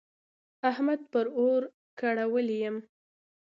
احمد پر اور کړولی يم.